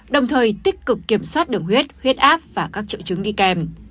đồng thời tích cực kiểm soát đường huyết huyết áp và các triệu chứng đi kèm